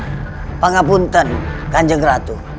apa pangapunten kanjeng ratu